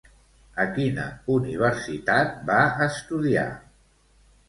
A quina universitat va estudiar?